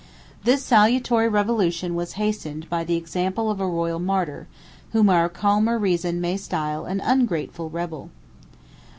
This salutary revolution 126 was hastened by the example of a royal martyr, whom our calmer reason may style an ungrateful rebel.